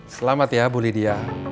selamat ya bu lydia